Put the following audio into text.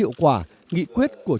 và tương lai